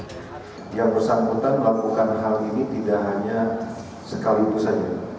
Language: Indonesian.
penyambutan melakukan hal ini tidak hanya sekali itu saja